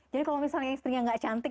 jadi kalau misalnya istrinya nggak cantik